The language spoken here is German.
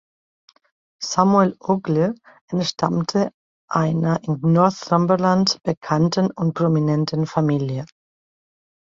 Samuel Ogle entstammte einer in Northumberland bekannten und prominenten Familie.